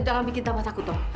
jangan bikin tambah takut dong